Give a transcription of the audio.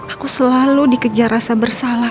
aku selalu dikejar rasa bersalah